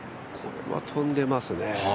これは飛んでますね。